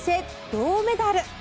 銅メダル！